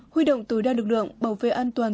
huy động tối đa lực lượng bảo vệ an toàn